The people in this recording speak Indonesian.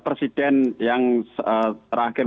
presiden yang terakhir